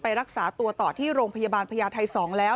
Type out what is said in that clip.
รักษาตัวต่อที่โรงพยาบาลพญาไทย๒แล้ว